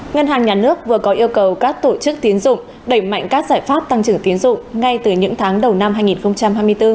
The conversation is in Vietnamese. ngân hàng nhà nước vừa có yêu cầu các tổ chức tiến dụng đẩy mạnh các giải pháp tăng trưởng tiến dụng ngay từ những tháng đầu năm hai nghìn hai mươi bốn